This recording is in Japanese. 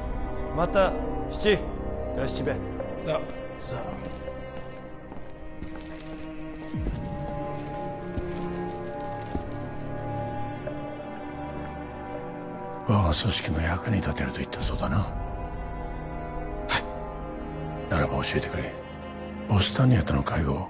おい我が組織の役に立てると言ったそうだなはいならば教えてくれヴォスタニアとの会合